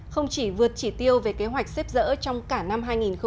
không chỉ vượt chỉ tiêu về kế hoạch xếp dỡ trong cả năm hai nghìn một mươi chín